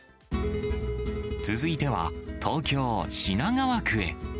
続いては、東京・品川区へ。